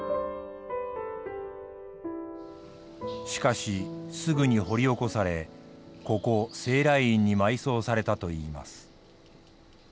しかしすぐに掘り起こされここ西来院に埋葬されたといいます。